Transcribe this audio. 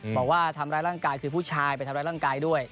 บอกว่าทำร้ายร่างกายคือผู้ชายไปทำร้ายร่างกายด้วย